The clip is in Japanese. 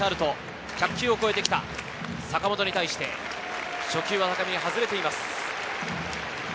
１００球を超えた坂本に対して初球は高めに外れています。